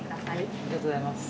ありがとうございます。